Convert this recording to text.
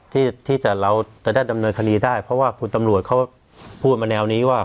ที่เราจะได้ดำเนินคดีได้เพราะว่าคุณตำรวจเขาพูดมาแนวนี้ว่า